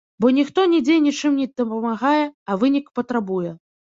Бо ніхто нідзе нічым не дапамагае, а вынік патрабуе.